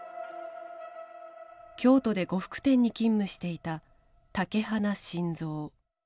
京都で呉服店に勤務していた竹鼻信三。